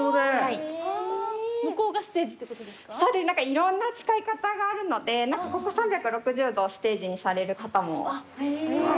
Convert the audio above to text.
いろんな使い方があるのでここ３６０度ステージにされる方も。